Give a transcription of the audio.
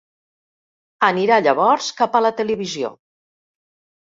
Anirà llavors cap a la televisió.